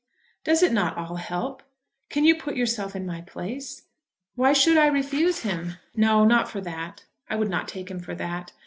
"Does it not all help? Can you put yourself in my place? Why should I refuse him? No, not for that. I would not take him for that.